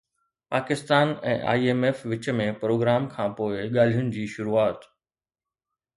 Pakistan ۽ I M F وچ ۾ program کانپوءِ ڳالهين جي شروعات